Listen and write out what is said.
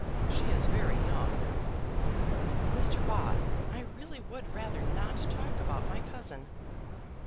She is very young." "Mr. Bott, I really would rather not talk about my cousin."